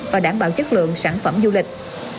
và đảm bảo chất lượng sản phẩm du lịch